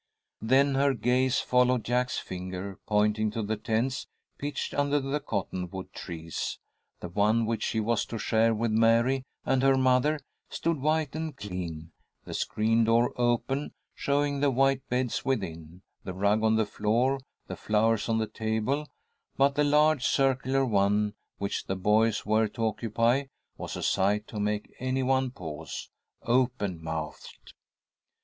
Then her gaze followed Jack's finger pointing to the tents pitched under the cottonwood trees. The one which she was to share with Mary and her mother stood white and clean, the screen door open, showing the white beds within, the rug on the floor, the flowers on the table; but the large, circular one, which the boys were to occupy, was a sight to make any one pause, open mouthed.